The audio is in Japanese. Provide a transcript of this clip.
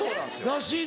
らしい